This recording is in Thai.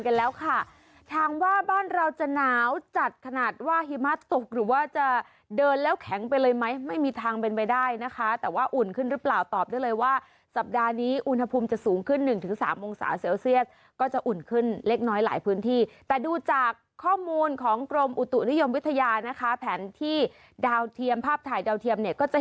กันแล้วค่ะถามว่าบ้านเราจะหนาวจัดขนาดว่าหิมะตกหรือว่าจะเดินแล้วแข็งไปเลยไหมไม่มีทางเป็นไปได้นะคะแต่ว่าอุ่นขึ้นหรือเปล่าตอบได้เลยว่าสัปดาห์นี้อุณหภูมิจะสูงขึ้นหนึ่งถึงสามองศาเซลเซียสก็จะอุ่นขึ้นเล็กน้อยหลายพื้นที่แต่ดูจากข้อมูลของกรมอุตุนิยมวิทยานะคะแผนที่ดาวเทียมภาพถ่ายดาวเทียมเนี่ยก็จะ